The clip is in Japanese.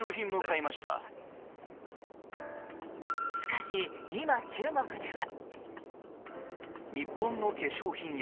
しかし、今、中国では。